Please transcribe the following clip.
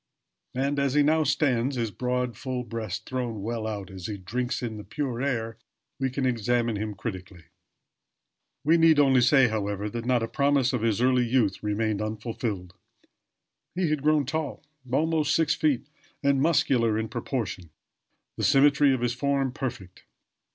And as he now stands, his broad full breast thrown well out as he drinks in the pure air, we can examine him critically. We need only say, however, that not a promise of his early youth remained unfulfilled. He had grown tall almost six feet and muscular in proportion; the symmetry of his form perfect.